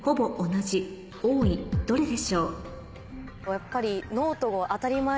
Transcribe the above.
やっぱり。